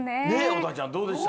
乙葉ちゃんどうでした？